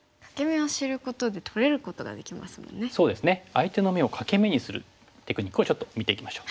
相手の眼を欠け眼にするテクニックをちょっと見ていきましょう。